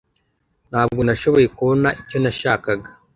Ntabwo nashoboye kubona icyo nashakaga.